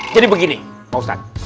jadi begini maustad